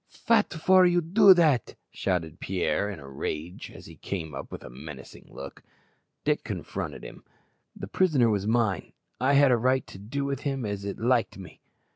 "Fat for you do dat?" shouted Pierre in a rage, as he came up with a menacing look. Dick confronted him. "The prisoner was mine. I had a right to do with him as it liked me."